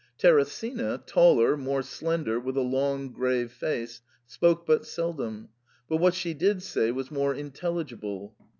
Teresina, taller, more slender, with a long grave face, spoke but seldom, but what she did say was more intelligible.